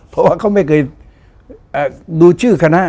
เพราะว่าเขาไม่เคยดูชื่อคณะ